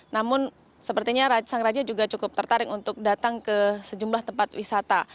namun sepertinya sang raja juga cukup tertarik untuk datang ke sejumlah tempat wisata